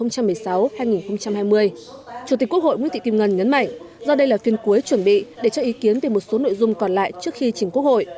chủ tịch quốc hội nguyễn thị kim ngân nhấn mạnh do đây là phiên cuối chuẩn bị để cho ý kiến về một số nội dung còn lại trước khi chỉnh quốc hội